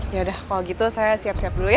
yaudah kalau gitu saya siap siap dulu ya